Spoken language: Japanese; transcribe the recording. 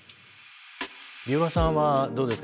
ビオラさんはどうですか？